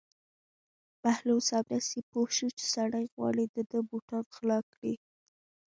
بهلول سمدستي پوه شو چې سړی غواړي د ده بوټان غلا کړي.